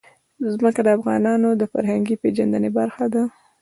ځمکه د افغانانو د فرهنګي پیژندنې برخه ده.